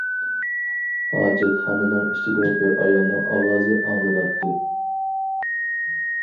ھاجەتخانىنىڭ ئىچىدە بىر ئايالنىڭ ئاۋازى ئاڭلىناتتى.